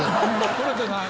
取れてない！